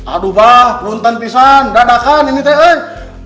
aduh mbah pelontan pisang dadakan ini teh eh